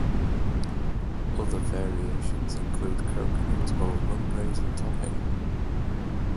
Other variations include coconut or rum raisin topping.